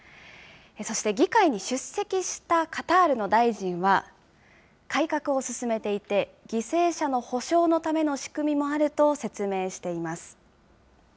そして議会に出席したカタールの大臣は、改革を進めていて、犠牲者の補償のための仕組みもあると説明しています。